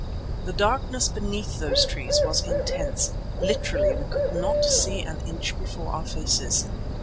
The darkness beneath those trees was intense, literally we could not see an inch before our faces.